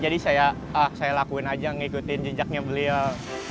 jadi saya lakuin aja ngikutin jejaknya beliau